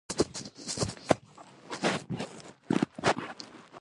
د ستنې بایوپسي د تومور نمونې اخلي.